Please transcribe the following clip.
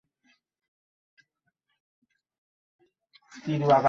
কিন্তু জাতিসংঘের সাবেক একজন মহাসচিব এটিকে এখনো গণহত্যা বলতে চান না।